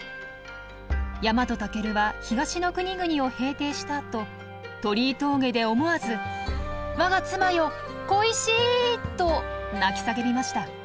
日本武尊は東の国々を平定したあと鳥居峠で思わず「我が妻よ恋しい！」と泣き叫びました。